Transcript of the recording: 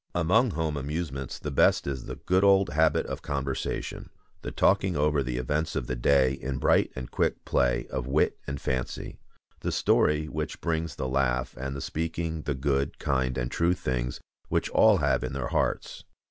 Among home amusements the best is the good old habit of conversation, the talking over the events of the day in bright and quick play of wit and fancy, the story which brings the laugh, and the speaking the good, kind, and true things which all have in their hearts.